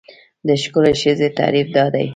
د ښکلې ښځې تعریف دا دی.